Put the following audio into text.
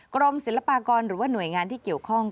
กรมศิลปากรหรือว่าหน่วยงานที่เกี่ยวข้อง